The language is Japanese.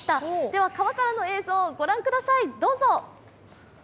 では川からの映像ご覧ください。